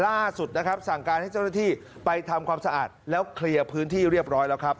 ล่าสุดนะครับสั่งการให้เจ้าหน้าที่ไปทำความสะอาดแล้วเคลียร์พื้นที่เรียบร้อยแล้วครับ